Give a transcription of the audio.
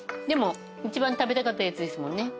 でも一番食べたかったやつですもんね。